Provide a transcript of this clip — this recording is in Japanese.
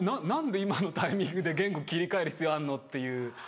何で今のタイミングで言語切り替える必要あるの？っていう。